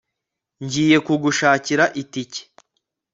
ngiye kugushakira itike